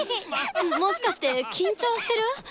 もしかして緊張してる？